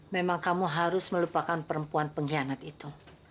memang kamu harus melupakan perempuan pengkhianat itu